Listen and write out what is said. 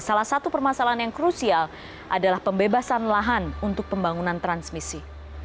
salah satu permasalahan yang krusial adalah pembebasan lahan untuk pembangunan transmisi